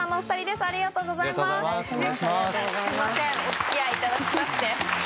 すいませんお付き合いいただきまして。